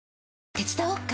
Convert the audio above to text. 手伝おっか？